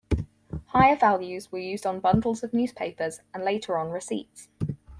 Higher values were used on bundles of newspapers, and later on receipts.